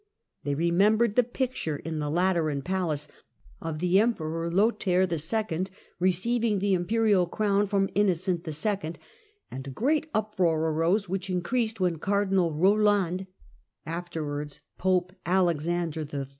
They remembered the picture in the Lateran Palace of the Emperor Lothair II. receiving the imperial crown from Innocent II. (see p. 124) and a great uproar arose, which increased when Cardinal Roland, afterwards Pope Alexander III.